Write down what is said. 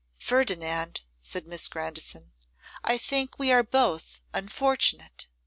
'Ferdinand,' said Miss Grandison, 'I think we are both unfortunate.